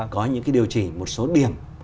có những điều chỉnh một số điểm